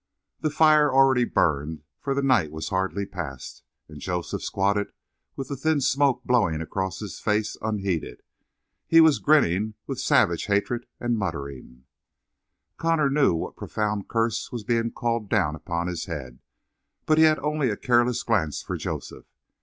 The fire already burned, for the night was hardly past, and Joseph squatted with the thin smoke blowing across his face unheeded. He was grinning with savage hatred and muttering. Connor knew what profound curse was being called down upon his head, but he had only a careless glance for Joseph.